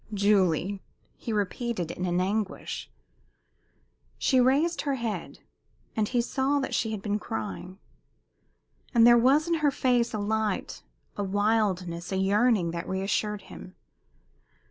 "Julie!" he repeated, in an anguish. She raised her head, and he saw that she had been crying. But there was in her face a light, a wildness, a yearning that reassured him.